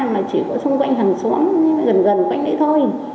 mà chỉ có xung quanh hàng xóm gần gần quanh đấy thôi